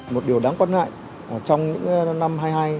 một điều đáng quan ngại trong những năm hai mươi hai hai mươi ba